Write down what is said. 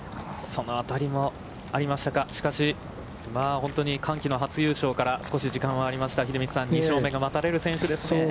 その辺りもありましたか、しかし、本当に歓喜の初優勝から少し時間はありました、秀道さん、秀道さん、２勝目が待たれる選手ですね。